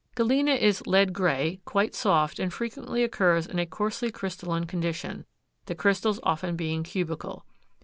Galena is lead gray, quite soft, and frequently occurs in a coarsely crystalline condition, the crystals often being cubical.